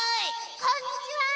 こんにちは。